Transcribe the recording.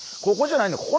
ここじゃないの。